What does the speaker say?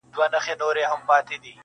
خو لستوڼي مو تل ډک وي له مارانو.!